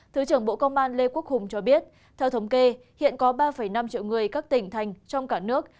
thứ trưởng bộ công an lê quốc hùng cho biết theo thống kê hiện có ba năm triệu người các tỉnh thành trong cả nước